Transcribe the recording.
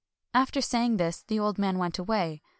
After saying this, the old man went away.